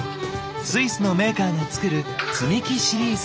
スイスのメーカーが作る積み木シリーズ。